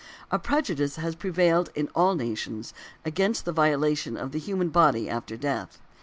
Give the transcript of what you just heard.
A prejudice has prevailed in all nations against the violation of the human body after death.